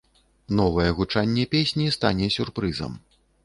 Новае гучанне песні стане сюрпрызам.